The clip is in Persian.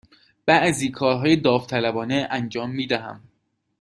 بعضی کارهای داوطلبانه انجام می دهم.